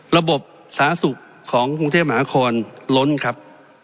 ระบบสาธารณสุขของกรุงเทพมหาคอนล้นครับ